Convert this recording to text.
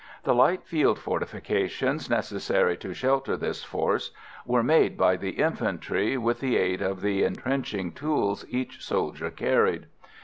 The light field fortifications necessary to shelter this force were made by the infantry with the aid of the entrenching tools each soldier carried.